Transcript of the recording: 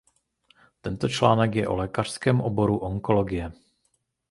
Tento článek je o lékařském oboru onkologie.